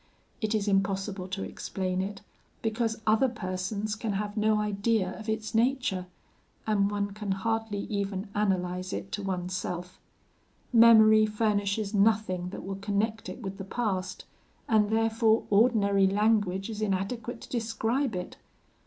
It is impossible to explain it, because other persons can have no idea of its nature; and one can hardly even analyse it to oneself. Memory furnishes nothing that will connect it with the past, and therefore ordinary language is inadequate to describe it.